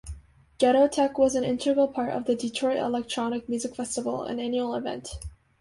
Ghettotech was an integral part of the Detroit Electronic Music Festival, an annual event.